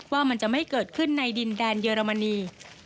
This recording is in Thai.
ว่ามันจะไม่เกิดขึ้นในดินแดนเยอรมนี